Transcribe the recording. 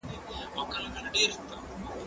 زه به سبا مځکي ته وګورم؟!